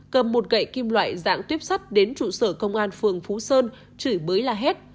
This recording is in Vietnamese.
cầm một gậy kim loại dạng tuyếp sắt đến trụ sở công an phường phú sơn chửi bới la hét